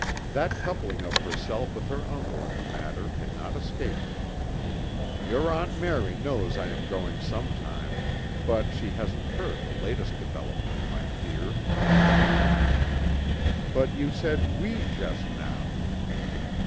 That coupling of herself with her uncle in the matter had not escaped them. "Your Aunt Mary knows I am going some time. But she hasn't heard the latest development, my dear," her uncle said. "But but you said 'we' just now?"